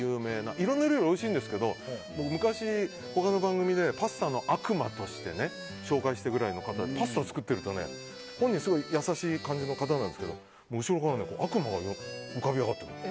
いろんな料理おいしいんですけど昔、他の番組でパスタの悪魔として紹介したぐらいでパスタを作っていると本人はすごい優しい感じの方ですが後ろから悪魔が浮かび上がってくる。